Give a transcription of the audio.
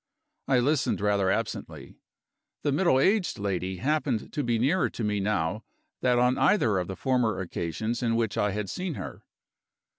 I listened rather absently. The middle aged lady happened to be nearer to me now than on either of the former occasions on which I had seen her.